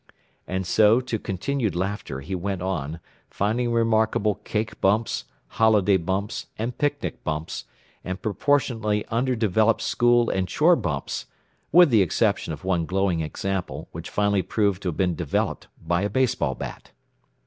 And so, to continued laughter, he went on, finding remarkable cake bumps, holiday bumps, and picnic bumps, and proportionately under developed school and chore bumps with the exception of one glowing example, which finally proved to have been developed by a baseball bat.